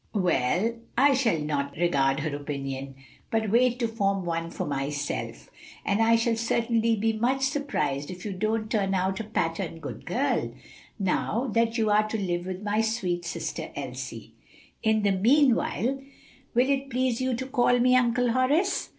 well I shall not regard her opinion, but wait and form one for myself, and I shall certainly be much surprised if you don't turn out a pattern good girl, now that you are to live with my sweet sister Elsie. In the mean while, will it please you to call me Uncle Horace?"